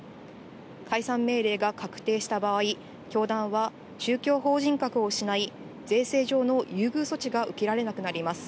解散命令が確定した場合、教団は宗教法人格を失い、税制上の優遇措置が受けられなくなります。